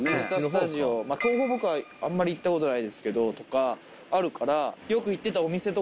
東宝僕はあんまり行ったことないですけど。とかあるから。